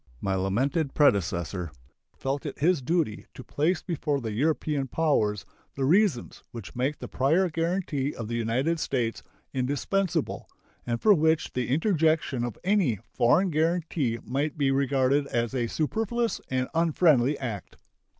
My lamented predecessor felt it his duty to place before the European powers the reasons which make the prior guaranty of the United States indispensable, and for which the interjection of any foreign guaranty might be regarded as a superfluous and unfriendly act.